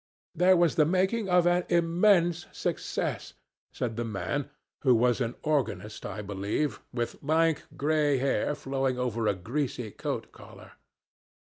'There was the making of an immense success,' said the man, who was an organist, I believe, with lank gray hair flowing over a greasy coat collar.